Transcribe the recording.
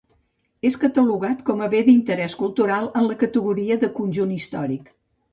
És catalogat com a Bé d'Interès Cultural en la categoria de conjunt històric.